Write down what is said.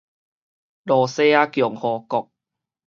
露西亞共和國